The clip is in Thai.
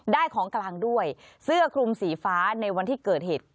ของกลางด้วยเสื้อคลุมสีฟ้าในวันที่เกิดเหตุ